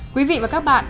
quý vị và các bạn